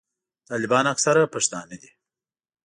طالبان اکثره پښتانه دي.